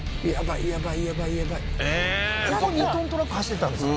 ここ２トントラック走ってったんですか？